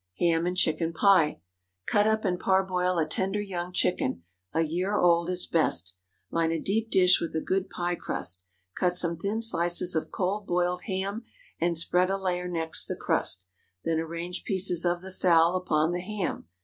HAM AND CHICKEN PIE. Cut up and parboil a tender young chicken—a year old is best. Line a deep dish with a good pie crust. Cut some thin slices of cold boiled ham, and spread a layer next the crust; then arrange pieces of the fowl upon the ham.